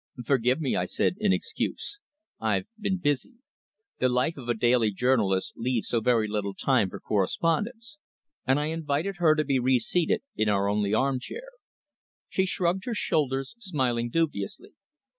"Forgive me," I said in excuse. "I've been busy. The life of a daily journalist leaves so very little time for correspondence," and I invited her to be re seated in our only armchair. She shrugged her shoulders, smiling dubiously.